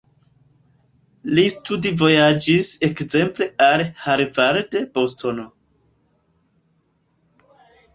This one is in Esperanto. Li studvojaĝis ekzemple al Harvard, Bostono.